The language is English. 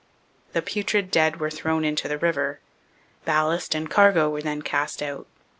The putrid dead were thrown into the river. Ballast and cargo were then cast out.